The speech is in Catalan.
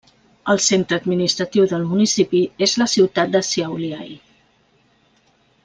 El centre administratiu del municipi és la ciutat de Šiauliai.